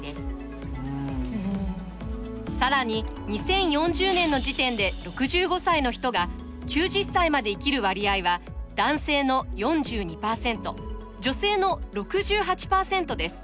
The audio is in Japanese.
更に２０４０年の時点で６５歳の人が９０歳まで生きる割合は男性の４２％女性の６８％です。